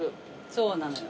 そうなのよ